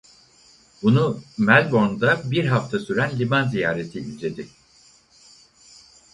Bunu Melbourne'de bir hafta süren liman ziyareti izledi.